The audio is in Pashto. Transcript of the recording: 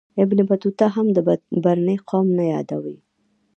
ابن بطوطه هم د برني نوم نه یادوي.